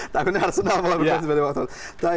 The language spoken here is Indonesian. takutnya arsenal akan bermain seperti watford